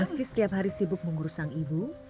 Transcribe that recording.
meski setiap hari sibuk mengurus sang ibu